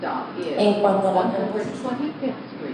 En cuanto a la composición, el cuadro carece de una clara unidad.